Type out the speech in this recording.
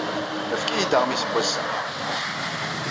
Efk-iyi-d aɣmis n wass-a!